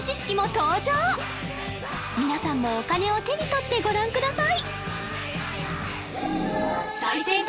皆さんもお金を手に取ってご覧ください